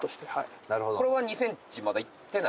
なるほどこれは２ｃｍまだいってない？